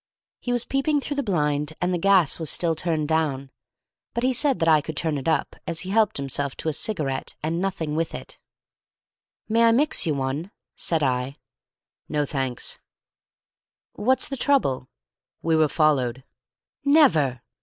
He was peeping through the blind, and the gas was still turned down. But he said that I could turn it up, as he helped himself to a cigarette and nothing with it. "May I mix you one?" said I. "No, thanks." "What's the trouble?" "We were followed." "Never!"